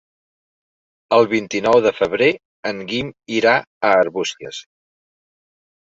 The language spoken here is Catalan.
El vint-i-nou de febrer en Guim irà a Arbúcies.